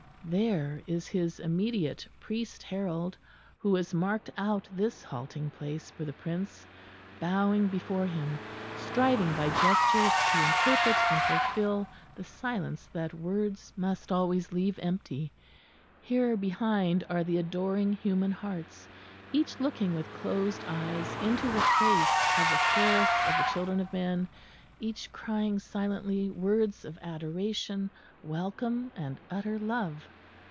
There is His immediate priest herald, who has marked out this halting place for the Prince, bowing before Him, striving by gestures to interpret and fulfil the silence that words must always leave empty; here behind are the adoring human hearts, each looking with closed eyes into the Face of the Fairest of the children of men, each crying silently words of adoration, welcome and utter love.